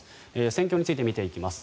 戦況について見ていきます。